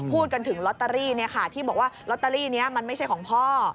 พูดกันถึงลอตเตอรี่ที่บอกว่าลอตเตอรี่นี้มันไม่ใช่ของพ่อ